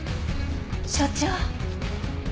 所長。